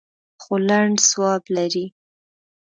خو لنډ ځواب لري.